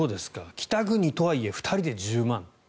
北国とはいえ２人で１０万。